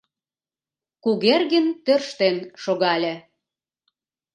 — Кугергин тӧрштен шогале.